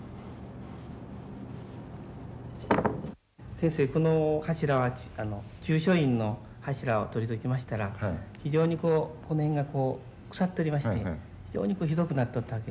先生この柱は中書院の柱を取りましたら非常にこうこの辺がこう腐っとりまして非常にこうひどくなっとったわけです。